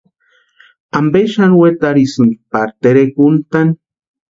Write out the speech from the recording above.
¿Ampe xani wetarhisïnki pari terekwa úntani?